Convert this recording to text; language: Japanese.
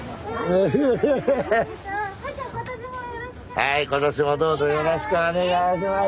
はい今年もどうぞよろしくお願いします。